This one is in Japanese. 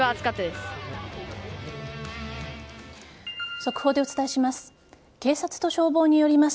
速報でお伝えします。